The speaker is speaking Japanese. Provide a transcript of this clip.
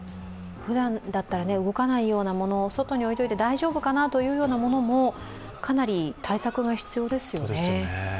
ふだんだったら動かないようなもの、外に置いておいて大丈夫なものもかなり、対策が必要ですよね。